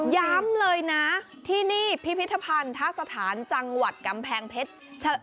ย้ำเลยนะที่นี่พิพิธภัณฑสถานจังหวัดกำแพงเพชร